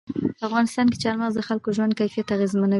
په افغانستان کې چار مغز د خلکو ژوند کیفیت اغېزمنوي.